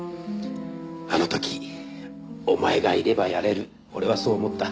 あの時お前がいればやれる俺はそう思った。